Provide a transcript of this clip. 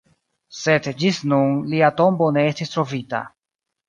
Sed ĝis nun lia tombo ne estis trovita.